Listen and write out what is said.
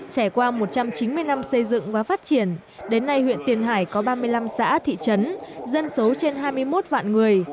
trải qua một trăm chín mươi năm xây dựng và phát triển đến nay huyện tiền hải có ba mươi năm xã thị trấn dân số trên hai mươi một vạn người